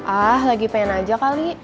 ah lagi pengen aja kali